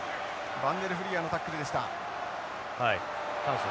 バンデルフリアーのタックルでした。